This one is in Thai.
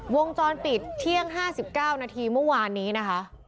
วงจรปิดเที่ยง๕๙นาทีเมื่อวานนี้นะคะ